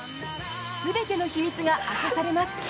全ての秘密が明かされます。